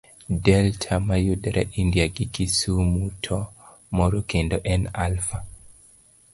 Delta mayudore India gi Kisumu, to moro kendo en Alpha.